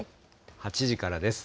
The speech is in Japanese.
８時からです。